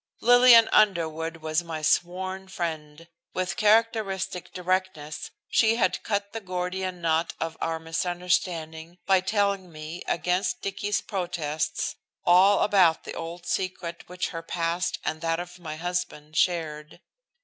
Lillian Underwood was my sworn friend. With characteristic directness she had cut the Gordian knot of our misunderstanding by telling me, against Dicky's protests, all about the old secret which her past and that of my husband shared.